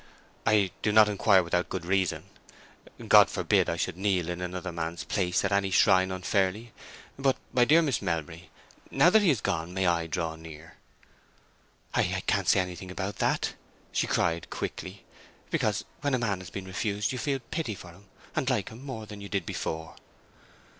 "I do not inquire without good reason. God forbid that I should kneel in another's place at any shrine unfairly. But, my dear Miss Melbury, now that he is gone, may I draw near?" "I—I can't say anything about that!" she cried, quickly. "Because when a man has been refused you feel pity for him, and like him more than you did before."